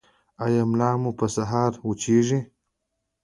ایا ملا مو په سهار کې وچیږي؟